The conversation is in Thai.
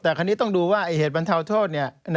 แต่คราวนี้ต้องดูว่าเหตุบรรเทาโทษ